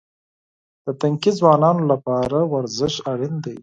د تنکي ځوانانو لپاره ورزش اړین دی.